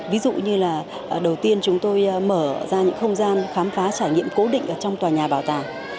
ví dụ như là đầu tiên chúng tôi mở ra những không gian khám phá trải nghiệm cố định ở trong tòa nhà bảo tàng